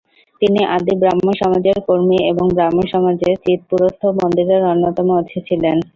তিনি আদি ব্রাহ্মসমাজের কর্মী এবং ব্রাহ্মসমাজের চিৎপুরস্থ মন্দিরের অন্যতম অছি ছিলেন।